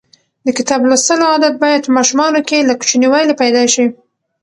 د کتاب لوستلو عادت باید په ماشومانو کې له کوچنیوالي پیدا شي.